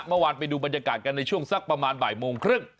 เมื่อวานไปดูบรรยากาศกันในช่วงสักประมาณบ่ายโมงครึ่ง